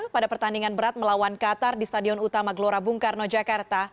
pada pertandingan berat melawan qatar di stadion utama gelora bung karno jakarta